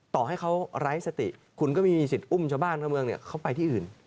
ต่อให้เขาไร้สติคุณก็ไม่มีสิทธิ์อุ้มชะบ้านบ้านเปล่าจะไปที่อื่น